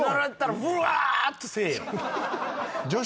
ぶわっとせえよ。